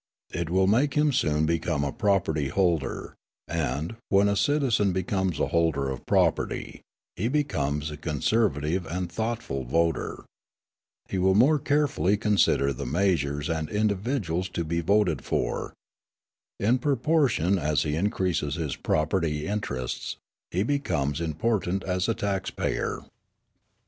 It will make him soon become a property holder; and, when a citizen becomes a holder of property, he becomes a conservative and thoughtful voter. He will more carefully consider the measures and individuals to be voted for. In proportion as he increases his property interests, he becomes important as a tax payer.